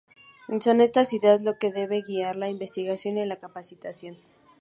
Y son estas ideas lo que debe guiar la investigación y la capacitación.